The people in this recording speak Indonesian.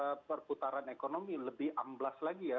dan kalau soal perputaran ekonomi lebih amblas lagi ya